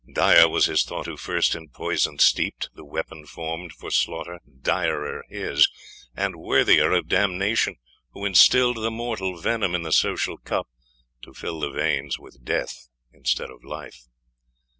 Dire was his thought, who first in poison steeped The weapon formed for slaughter direr his, And worthier of damnation, who instilled The mortal venom in the social cup, To fill the veins with death instead of life.